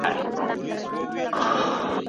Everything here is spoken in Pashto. دوه څاڅکي اوښکې